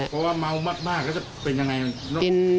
เพราะว่าเมามากแล้วจะเป็นยังไง